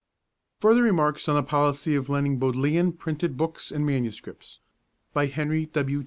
Title: Further remarks on the policy of lending Bodleian printed books and manuscripts Author: Henry W.